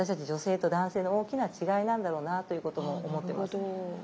女性と男性の大きな違いなんだろうなということも思ってます。